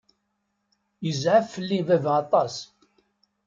Yezɛef fell-i baba aṭas.